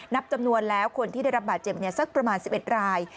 นับจำนวนแล้วคนที่ได้รับบาดเจ็บสักประมาณ๑๑ราย